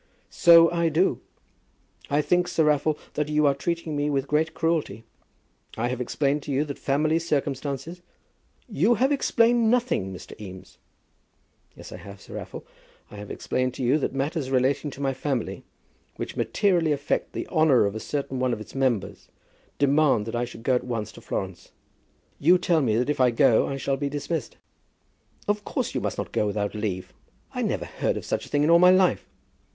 "So I do. I think, Sir Raffle, that you are treating me with great cruelty. I have explained to you that family circumstances " "You have explained nothing, Mr. Eames." "Yes, I have, Sir Raffle. I have explained to you that matters relating to my family, which materially affect the honour of a certain one of its members, demand that I should go at once to Florence. You tell me that if I go I shall be dismissed." "Of course you must not go without leave. I never heard of such a thing in all my life."